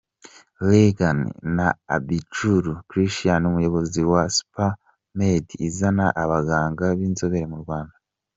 Rgavan na Abijuru Christian umuyobozi wa SuperMed izana abaganga b'inzobere mu Rwanda.